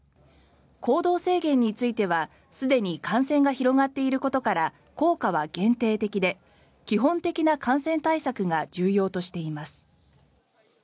行動制限についてはすでに感染が広がっていることから効果は限定的で基本的な感染対策が重要としています。